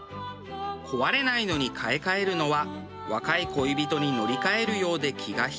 壊れないのに買い替えるのは若い恋人に乗り換えるようで気が引けます。